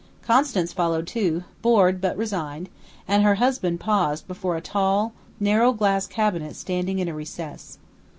Constance followed, too, bored but resigned; and her husband paused before a tall, narrow glass cabinet standing in a recess.